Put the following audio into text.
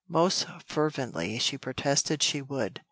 Most fervently she protested she would.